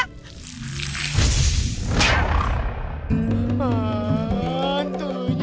kau nggak tahu sih